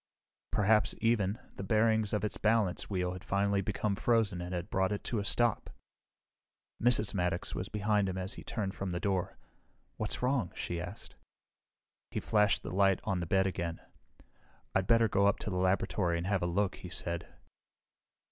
Perhaps, even, the bearings of its balance wheel had finally become frozen and had brought it to a stop! Mrs. Maddox was behind him as he turned from the door. "What's wrong?" she asked. He flashed the light on the bed again. "I'd better go up to the laboratory and have a look," he said.